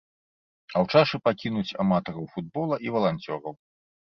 А ў чашы пакінуць аматараў футбола і валанцёраў.